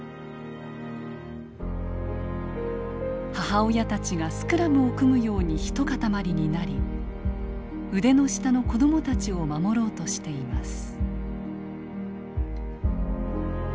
母親たちがスクラムを組むように一塊になり腕の下の子どもたちを守ろうとしています。